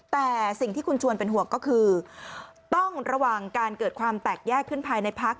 แต่สิ่งที่คุณชวนเป็นห่วงก็คือต้องระวังการเกิดความแตกแยกขึ้นภายในพัก